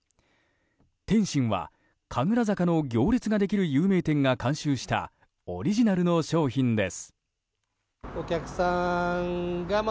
点心は神楽坂の行列ができる有名店が監修したオリジナルの商品です。